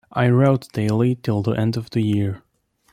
I wrote daily till the end of the year.